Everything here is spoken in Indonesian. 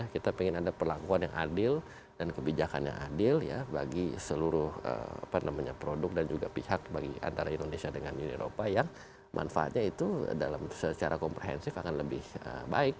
kita ingin ada perlakuan yang adil dan kebijakan yang adil bagi seluruh produk dan juga pihak antara indonesia dengan uni eropa yang manfaatnya itu secara komprehensif akan lebih baik